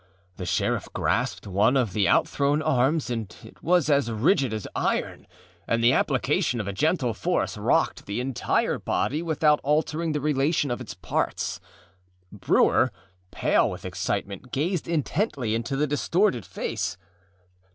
The sheriff grasped one of the outthrown arms; it was as rigid as iron, and the application of a gentle force rocked the entire body without altering the relation of its parts. Brewer, pale with excitement, gazed intently into the distorted face.